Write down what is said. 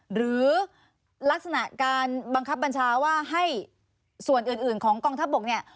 หรือลักษณะการบังคับบัญชาว่าให้ส่วนอื่นของกองทัพบกเนี่ย